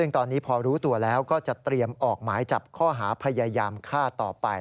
ซึ่งตอนนี้พอรู้ตัวแล้วก็จะเตรียมออกหมายจับข้อหาพยายามฆ่าต่อไป